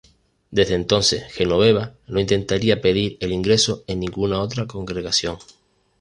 Desde entonces, Genoveva no intentaría pedir el ingreso en ninguna otra congregación.